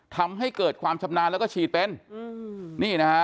ทำให้เกิดความชำนาญแล้วก็ฉีดเป็น